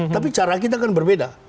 tapi cara kita kan berbeda